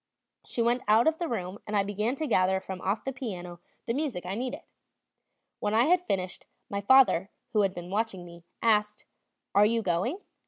She went out of the room and I began to gather from off the piano the music I needed. When I had finished, my father, who had been watching me, asked: "Are you going?"